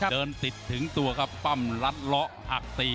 เดินติดถึงตัวครับปั้มรัดเลาะหักศี